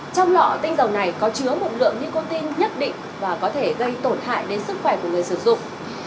trong lọ tinh dầu này có chứa một lượng nicotine nhất định và có thể gây tổn hại đến sức khỏe của người sử dụng